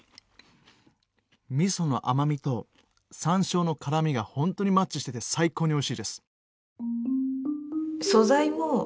みその甘みと山椒の辛みが本当にマッチしてて最高においしいです。